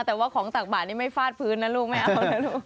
แต่ว่าของตักบาทนี่ไม่ฟาดฟื้นนะลูกไม่เอานะลูก